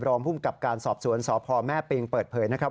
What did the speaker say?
รองภูมิกับการสอบสวนสพแม่ปิงเปิดเผยนะครับ